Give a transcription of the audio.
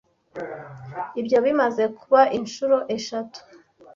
Ibyo bimaze kuba incuro eshatu,